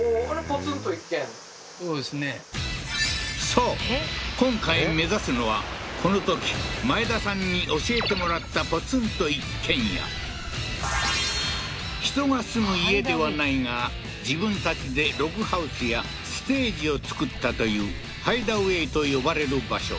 そう今回目指すのはこのとき前田さんに教えてもらったポツンと一軒家人が住む家ではないが自分たちでログハウスやステージを作ったというハイダウェイと呼ばれる場所